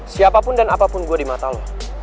siapapun dan apapun gua di mata lo